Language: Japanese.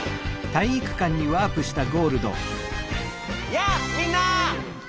やあみんな！